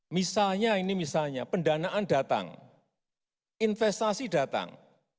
misalnya ini misalnya pendanaan datang investasi datang